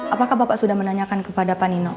apakah bapak sudah menanyakan kepada pak nino